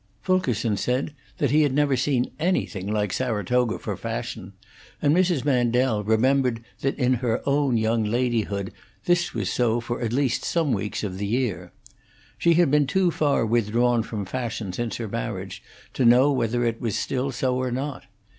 Fulkerson said that he had never seen anything like Saratoga for fashion, and Mrs. Mandel remembered that in her own young ladyhood this was so for at least some weeks of the year. She had been too far withdrawn from fashion since her marriage to know whether it was still so or not.